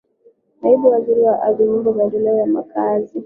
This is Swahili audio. Naibu Waziri wa Ardhi Nyumba na Maendeleo ya Makazi